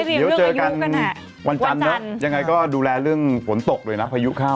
เดี๋ยวเจอกันวันจันทร์เนอะยังไงก็ดูแลเรื่องฝนตกด้วยนะพายุเข้า